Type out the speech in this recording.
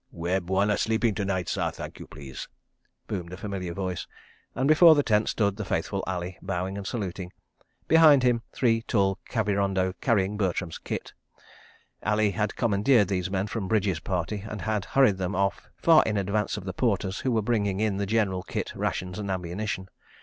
"Where Bwana sleeping to night, sah, thank you, please?" boomed a familiar voice, and before the tent stood the faithful Ali, bowing and saluting—behind him three tall Kavirondo carrying Bertram's kit. Ali had commandeered these men from Bridges' party, and had hurried them off far in advance of the porters who were bringing in the general kit, rations, and ammunition.